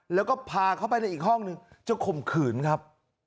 แล้วก็พาเขาไปในอีกห้องหนึ่งจะข่มขืนครับ